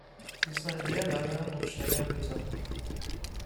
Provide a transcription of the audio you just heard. Dies war ein sehr langer und strenger Winter.